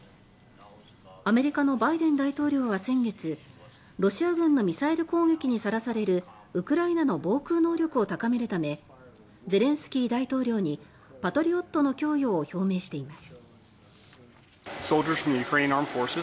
アメリカのバイデン大統領は先月ロシア軍のミサイル攻撃にさらされるウクライナの防空能力を高めるためゼレンスキー大統領に「パトリオット」の供与を表明しています。